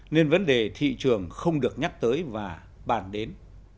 nên vấn đề thị trường không được nhắc tới và bàn đến